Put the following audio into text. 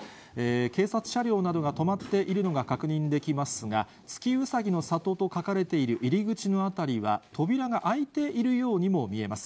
警察車両などが止まっているのが確認できますが、月うさぎの里と書かれている入り口の辺りは、扉が開いているようにも見えます。